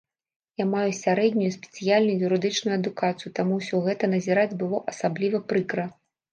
Я маю сярэднюю спецыяльную юрыдычную адукацыю, таму ўсё гэта назіраць было асабліва прыкра.